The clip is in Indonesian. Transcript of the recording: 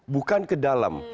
bukan ke dalam